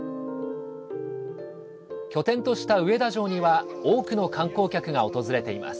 拠点とした上田城には多くの観光客が訪れています。